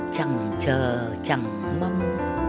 chẳng chờ chẳng mong